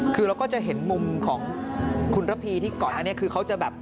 คือเราก็จะเห็นมุมของคุณระพีที่ก่อนอันนี้คือเขาจะแบบ